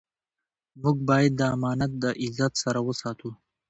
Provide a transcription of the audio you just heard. موږ باید دا امانت د عزت سره وساتو.